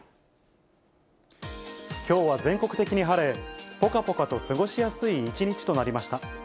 きょうは全国的に晴れ、ぽかぽかと過ごしやすい一日となりました。